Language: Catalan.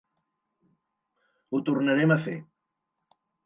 Ho tornarem a fer.